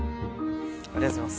ありがとうございます。